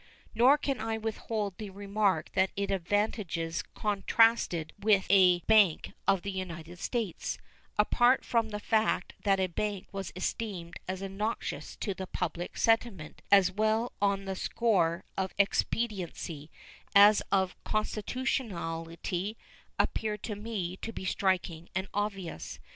Nor can I withhold the remark that its advantages contrasted with a bank of the United States, apart from the fact that a bank was esteemed as obnoxious to the public sentiment as well on the score of expediency as of constitutionality, appeared to me to be striking and obvious.